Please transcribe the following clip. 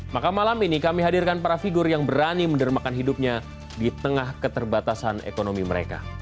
maka malam ini kami hadirkan para figur yang berani mendermakan hidupnya di tengah keterbatasan ekonomi mereka